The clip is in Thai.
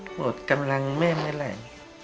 หมดกำลังแม่เมื่อไหร่